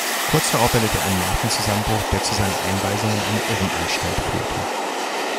Kurz darauf erlitt er einen Nervenzusammenbruch, der zu seiner Einweisung in eine Irrenanstalt führte.